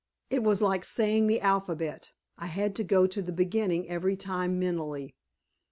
It was like saying the alphabet; I had to go to the beginning every time mentally.